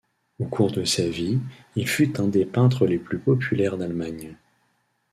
Au cours de sa vie, il fut un des peintres les plus populaires d’Allemagne.